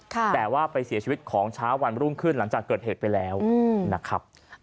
แต่ว่าไปเสียชีวิตของเช้าวันรุ่งขึ้นหลังจากเกิดเหตุไปแล้วนะครับ